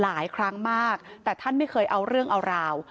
หลายครั้งมากแต่ท่านไม่เคยเอาเรื่องเอาราว